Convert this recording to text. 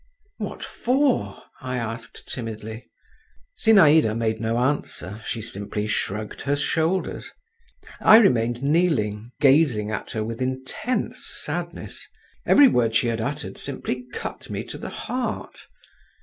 "What for?" I asked timidly. Zinaïda made no answer, she simply shrugged her shoulders. I remained kneeling, gazing at her with intense sadness. Every word she had uttered simply cut me to the heart.